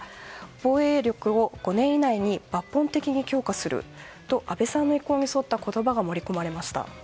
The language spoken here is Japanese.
防衛力を５年以内に抜本的に強化すると安倍さんの意向に沿った言葉が盛り込まれました。